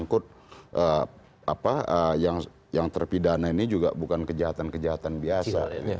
karena yang terpidana ini juga bukan kejahatan kejahatan biasa